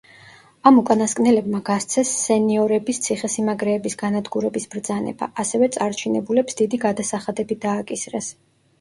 ამ უკანასკნელებმა გასცეს სენიორების ციხე-სიმაგრეების განადგურების ბრძანება, ასევე წარჩინებულებს დიდი გადასახადები დააკისრეს.